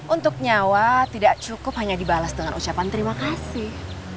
untuk nyawa tidak cukup hanya dibalas dengan ucapan terima kasih